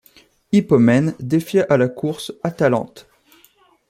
Hippomène défia à la course Atalante.